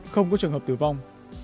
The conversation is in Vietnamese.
không có trường hợp tử vong